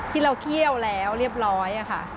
ที่เราเคี่ยวแล้วเรียบร้อยค่ะ